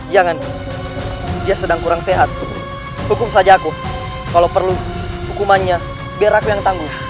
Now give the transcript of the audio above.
jangan dia sedang kurang sehat hukum saja aku kalau perlu hukumannya biar aku yang tangguh